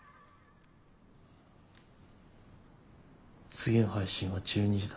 次の配信は１２時だ。